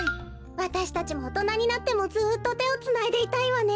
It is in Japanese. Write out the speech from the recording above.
わたしたちもおとなになってもずっとてをつないでいたいわね。